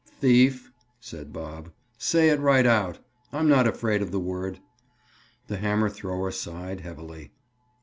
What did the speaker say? "Thief," said Bob. "Say it right out. I'm not afraid of the word." The hammer thrower sighed heavily.